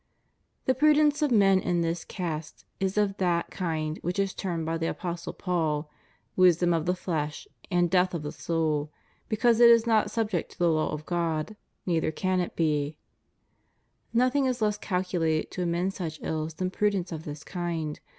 The prudence of men of this cast is of that kind which is termed by the Apostle Paul wisdom of the flesh and death of the soul, becaiise it is not subject to the law of God, neither can it be} Nothing is less calculated to amend such ills than prudence of this kind.